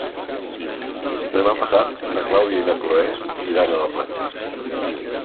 Demà passat na Clàudia i na Cloè iran a la platja.